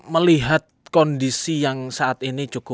melihat kondisi yang saat ini cukup